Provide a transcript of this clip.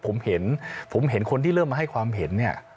ผมเห็นคนที่เริ่มมาให้ความเห็น